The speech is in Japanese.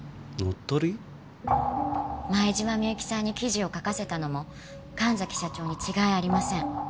前島美雪さんに記事を書かせたのも神崎社長に違いありません。